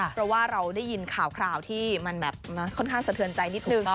เพราะว่าเราได้ยินข่าวที่ค่อนข้างสะเทิญใจนิดหนึ่ง